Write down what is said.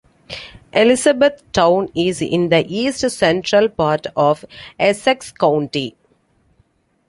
Elizabethtown is in the east-central part of Essex County.